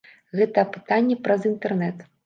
Гэта апытанне праз інтэрнэт.